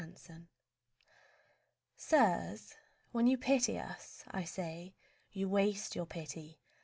INSIGHT Sirs, when you pity us, I say You waste your pity.